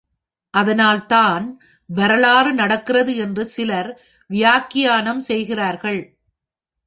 அதனால் தான் வரலாறு நடக்கிறது என்று சிலர் வியாக்கியானம் செய்கிறார்கள்.